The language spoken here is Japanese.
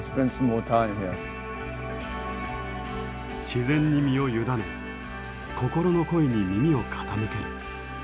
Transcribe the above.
自然に身を委ね心の声に耳を傾ける。